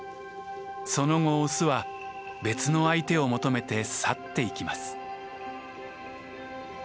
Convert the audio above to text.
その後オスは別の相手を求めて去っていきます。